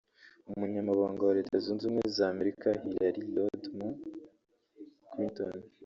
Umunyamabanga wa Leta Zunze Ubumwe z’Amerika Hillary Rodham Clinton